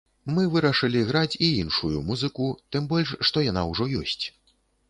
Мы вырашылі граць і іншую музыку, тым больш, што яна ўжо ёсць.